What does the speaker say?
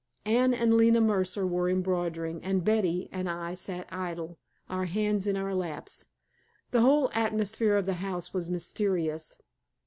Anne and Leila Mercer were embroidering, and Betty and I sat idle, our hands in our laps. The whole atmosphere of the house was mysterious.